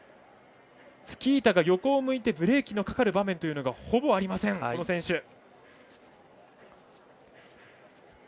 スキー板が横を向いてブレーキのかかる場面というのがほぼありません、この選手。